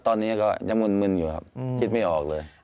ตอนนี้ก็ยังมึนอยู่ครับคิดไม่ออกเลย